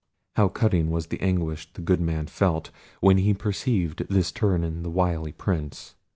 How cutting was the anguish which the good man felt, when he perceived this turn in the wily Prince!